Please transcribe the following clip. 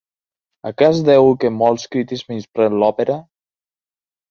A què es deu que molts crítics menyspreen l'òpera?